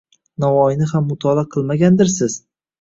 — Navoiyni ham mutolaa qilmagandirsiz?